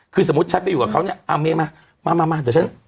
คือสมมุติฉันไปอยู่กับเขาเนี่ยเอาเมย์มามาเดี๋ยวฉัน